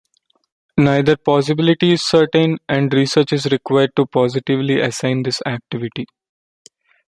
Neither possibility is certain, and research is required to positively assign this activity.